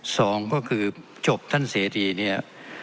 สองก็คือจบท่านเสรีเนี่ย